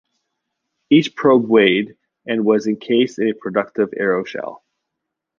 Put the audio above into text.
Each probe weighed and was encased in a protective aeroshell.